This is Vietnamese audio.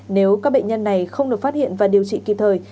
nếu các bệnh nhân này không được phát hiện và điều trị kịp thời